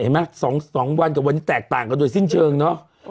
เห็นไหม๒วันกับจะแตกต่างกันโดยสิ้นเชิงเนาะ